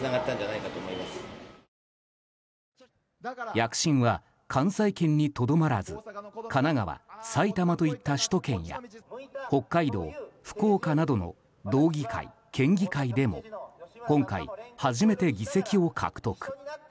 躍進は関西圏にとどまらず神奈川、埼玉といった首都圏や北海道、福岡などの道議会・県議会でも今回、初めて議席を獲得。